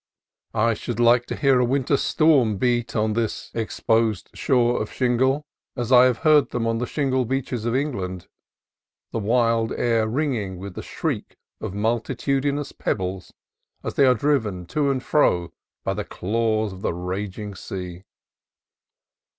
I should like to hear a winter storm beat on this ex 44 CALIFORNIA COAST TRAILS posed shore of shingle, as I have heard them on the shingle beaches of England, the wild air ringing with the shriek of the multitudinous pebbles as they are driven to and fro by the claws of the raging sea.